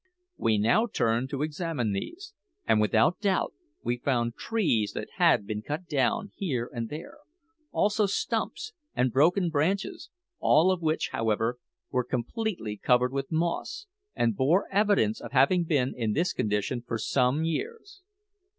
We now turned to examine these, and without doubt we found trees that had been cut down here and there, also stumps and broken branches all of which, however, were completely covered over with moss, and bore evidence of having been in this condition for some years.